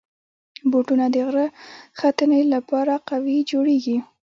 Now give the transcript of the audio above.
بوټونه د غره ختنې لپاره قوي جوړېږي.